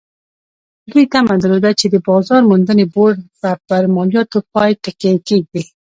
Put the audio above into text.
دوی تمه درلوده چې د بازار موندنې بورډ به پر مالیاتو پای ټکی کېږدي.